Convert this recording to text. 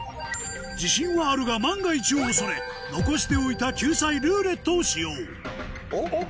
自信はあるが万が一を恐れ残しておいた救済「ルーレット」を使用おっ？